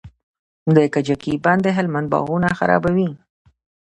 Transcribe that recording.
د کجکي بند د هلمند باغونه خړوبوي.